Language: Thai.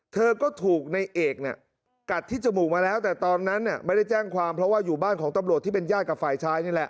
เธอก็ถูกในเอกเนี่ยกัดที่จมูกมาแล้วแต่ตอนนั้นไม่ได้แจ้งความเพราะว่าอยู่บ้านของตำรวจที่เป็นญาติกับฝ่ายชายนี่แหละ